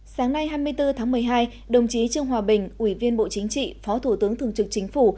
sáng nay hai mươi bốn tháng một mươi hai đồng chí trương hòa bình ủy viên bộ chính trị phó thủ tướng thường trực chính phủ